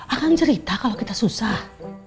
akan cerita kalau kita susah